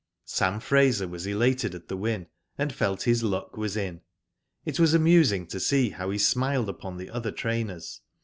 Sam Fraser was elated at the win, and felt his luck was in. It was amusing to see how he smiled upon the other trainers.